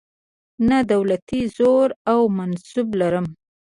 نه دولتي زور او منصب لرم.